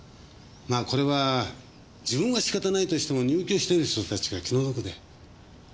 まあこれは自分は仕方ないとしても入居している人達が気の毒で。